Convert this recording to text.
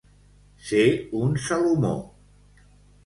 Ser un Salomó.